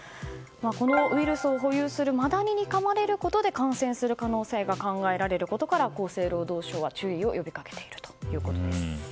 このウイルスを保有するマダニにかまれることで感染する可能性が考えられることから厚生労働省は、注意を呼びかけているということです。